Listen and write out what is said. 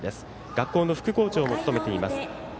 学校の副校長も務めています。